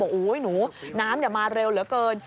อุ๊ยหนูน้ำมาเร็วเหลือเกิน